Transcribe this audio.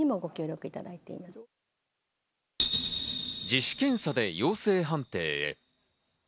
自主検査で陽性判定へ。